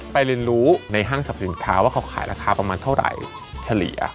เรียนรู้ในห้างสรรพสินค้าว่าเขาขายราคาประมาณเท่าไหร่เฉลี่ย